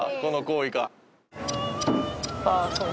「ああそうね。